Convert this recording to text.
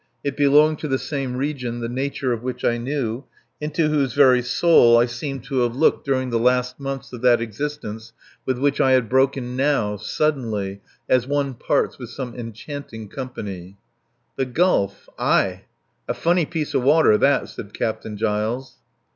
It belonged to the same region the nature of which I knew, into whose very soul I seemed to have looked during the last months of that existence with which I had broken now, suddenly, as one parts with some enchanting company. "The gulf ... Ay! A funny piece of water that," said Captain Giles.